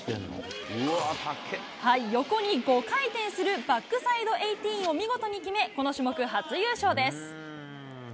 横に５回転する、バックサイド１８００を見事に決め、この種目初優勝です。